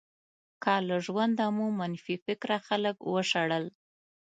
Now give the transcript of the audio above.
که له ژونده مو منفي فکره خلک وشړل.